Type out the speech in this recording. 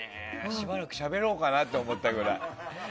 しばらくしゃべろうかなと思ったくらい。